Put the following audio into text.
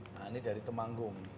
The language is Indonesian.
nah ini dari temanggung